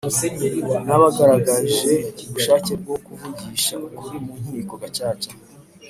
n abagaragaje ubushake bwo kuvugisha ukuri mu nkiko Gacaca